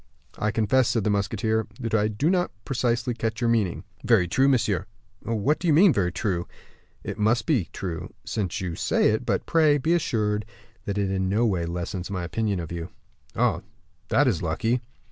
"I confess," said the musketeer, "that I do not precisely catch your meaning." "Very true, monsieur." "What do you mean by 'very true'?" "It must be true, since you say it; but pray, be assured that it in no way lessens my opinion of you." "Ah, that is lucky."